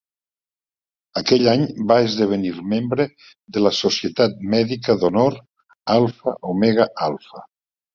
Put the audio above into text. Aquell any va esdevenir membre de la Societat Mèdica d'Honor Alpha Omega Alpha.